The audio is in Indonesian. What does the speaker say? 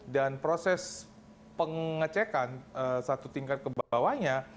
dan proses pengecekan satu tingkat kebawahnya